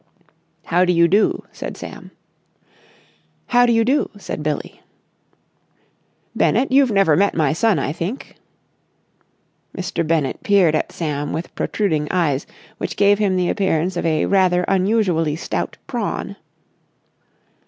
"How do you do?" said Sam. "How do you do?" said Billie. "Bennett, you've never met my son, I think?" Mr. Bennett peered at Sam with protruding eyes which gave him the appearance of a rather unusually stout prawn.